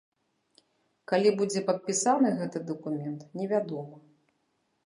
Калі будзе падпісаны гэты дакумент, невядома.